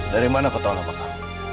dari mana kau tahu apa kau